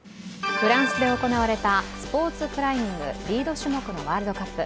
フランスで行われたスポーツクライミングリード種目のワールドカップ。